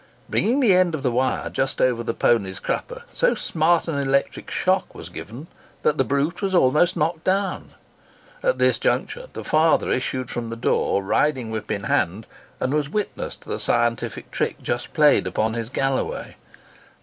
Bringing the end of the wire just over the pony's crupper, so smart an electric shock was given it, that the brute was almost knocked down. At this juncture the father issued from the door, riding whip in hand, and was witness to the scientific trick just played off upon his galloway.